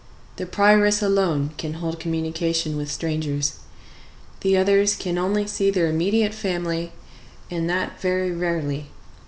The prioress alone can hold communication with strangers. The others can see only their immediate family, and that very rarely.